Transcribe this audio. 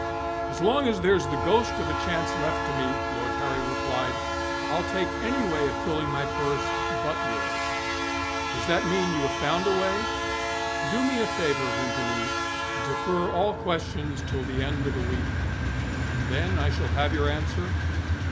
"As long as there's the ghost of a chance left to me," Lord Harry replied, "I'll take any way of filling my purse but yours." "Does that mean you have found a way?" "Do me a favour, Vimpany. Defer all questions till the end of the week." "And then I shall have your answer?"